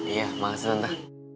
iya makasih tante